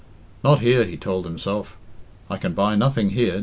"Not here," he told himself. "I can buy nothing here.